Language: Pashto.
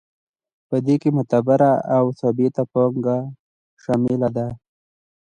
په دې کې متغیره او ثابته پانګه شامله ده